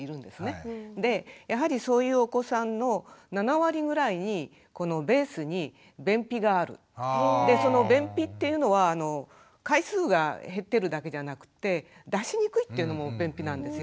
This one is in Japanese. でやはりそういうお子さんのでその便秘っていうのは回数が減ってるだけじゃなくて出しにくいっていうのも便秘なんですよ。